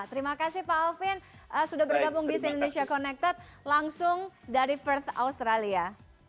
terima kasih pak alvin sudah bergabung di si indonesia connected langsung dari perth australia